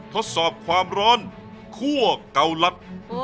ทดสอบความร้อนคั่วเกาลัด